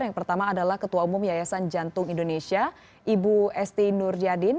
yang pertama adalah ketua umum yayasan jantung indonesia ibu esti nur yadin